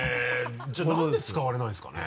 じゃあ何で使われないんですかね？